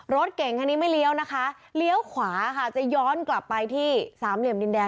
รถเก่งคันนี้ไม่เลี้ยวนะคะเลี้ยวขวาค่ะจะย้อนกลับไปที่สามเหลี่ยมดินแดง